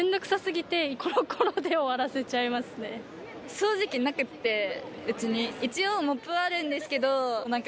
掃除機なくてうちに。